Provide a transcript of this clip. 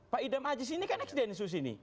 pak idam ajis ini kan ex densus ini